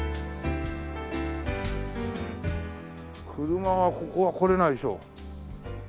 車がここは来れないでしょ。